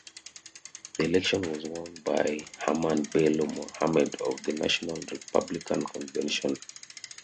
The election was won by Hamman Bello Mohammed of the National Republican Convention.